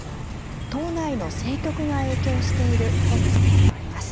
党内の政局が影響しているとの指摘もあります。